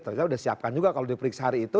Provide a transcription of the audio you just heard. ternyata udah siapkan juga kalau diperiksa hari itu